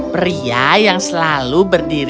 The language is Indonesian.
pria yang selalu berdiri di rumah